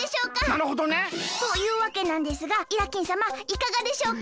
なるほどね。というわけなんですがイラッキンさまいかがでしょうか？